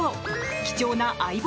貴重な「相棒」